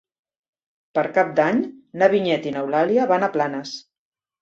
Per Cap d'Any na Vinyet i n'Eulàlia van a Planes.